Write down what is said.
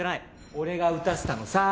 俺が撃たせたのさ。